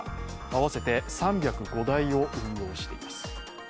合わせて３０５台を運用しています。